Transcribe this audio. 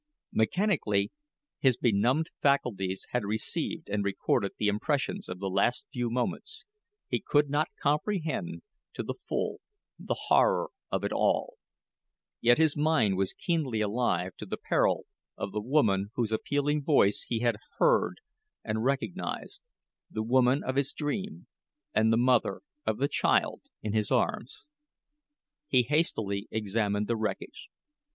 Mechanically, his benumbed faculties had received and recorded the impressions of the last few moments; he could not comprehend, to the full, the horror of it all. Yet his mind was keenly alive to the peril of the woman whose appealing voice he had heard and recognized the woman of his dream, and the mother of the child in his arms. He hastily examined the wreckage.